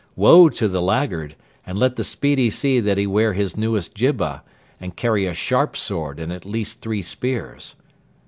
Woe to the laggard; and let the speedy see that he wear his newest jibba, and carry a sharp sword and at least three spears.